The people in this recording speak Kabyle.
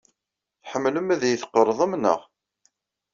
Tḥemmlem ad iyi-tqerḍem, naɣ?